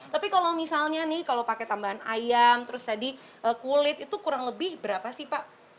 tapi kalau misalnya nih kalau pakai tambahan ayam terus tadi kulit itu kurang lebih berapa sih pak